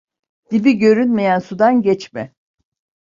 Dibi görünmeyen sudan geçme.